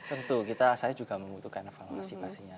tentu saya juga membutuhkan evaluasi pastinya